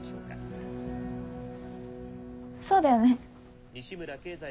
そうだよね。